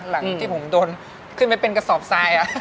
หลังที่ผมโดนขึ้นไปเป็นกระสอบทราย